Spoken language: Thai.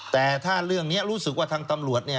แต่ถ้าเรื่องนี้รู้สึกว่าทางตำรวจ